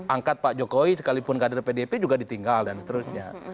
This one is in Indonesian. angkat pak jokowi sekalipun kader pdp juga ditinggal dan seterusnya